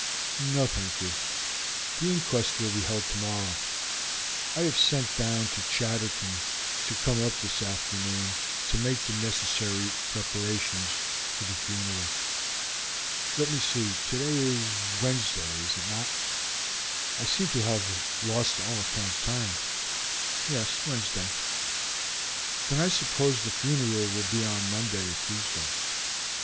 "No, thank you; the inquest will be held tomorrow. I have sent down to Chatterton to come up this afternoon to make the necessary preparations for the funeral. Let me see, today is Wednesday, is it not? I seem to have lost all account of the time." "Yes, Wednesday." "Then I suppose the funeral will be on Monday or Tuesday.